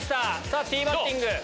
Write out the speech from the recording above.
さぁティーバッティング。